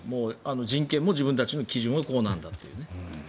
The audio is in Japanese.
人権も自分たちの基準はこうなんだという。